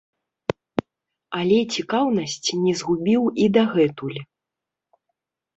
Але цікаўнасць не згубіў і дагэтуль.